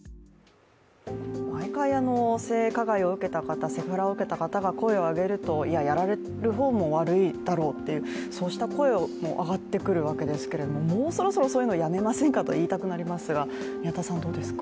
毎回、性加害を受けた方、セクハラを受けた方が声を上げると、いや、やられた方も悪いだろうってそうした声が上がってくるわけですけどもうそろそろそういうのやめませんかと言いたくなりますが、宮田さんどうですか。